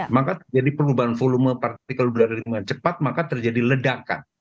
maka jadi perubahan volume partikel udara dengan cepat maka terjadi ledakan